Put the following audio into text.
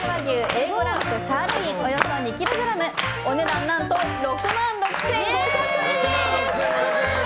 Ａ５ランクサーロインおよそ２ｋｇお値段、何と６万６５００円です。